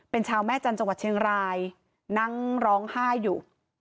เป็นชาวแม่จันทร์จังหวัดเชียงรายนั่งร้องไห้อยู่